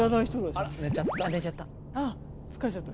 あ寝ちゃった。